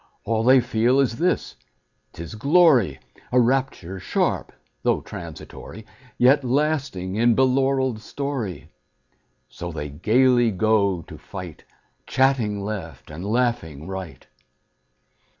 All they feel is this: 't is glory, A rapture sharp, though transitory, Yet lasting in belaureled story. So they gayly go to fight, Chatting left and laughing right.